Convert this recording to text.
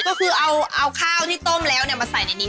ก็คือเอาข้าวที่ต้มแล้วมาใส่ในนี้